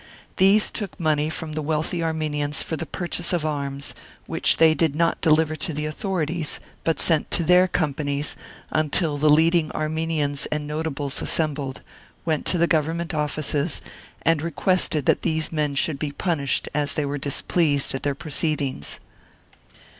These took money from the wealthy Armenians for the pur chase of arms, which they did not deliver to the authorities, but sent to their companies, until the leading Armenians and Notables assembled, went to the Government offices, and requested that these men should be punished as they were displeased at their proceedings.